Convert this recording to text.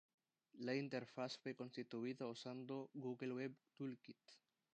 La interfaz fue constituida usando Google Web Toolkit.